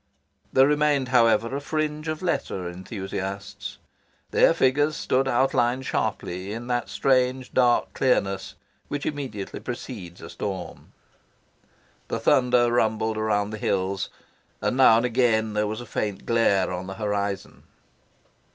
There remained, however, a fringe of lesser enthusiasts. Their figures stood outlined sharply in that strange dark clearness which immediately precedes a storm. The thunder rumbled around the hills, and now and again there was a faint glare on the horizon.